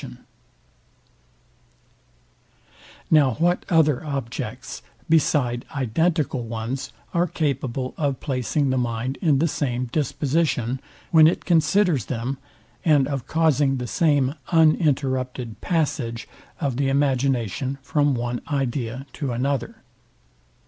Now what other objects, beside identical ones, are capable of placing the mind in the same disposition, when it considers them, and of causing the same uninterrupted passage of the imagination from one idea to another?